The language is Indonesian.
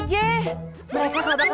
jangan terlalu banyak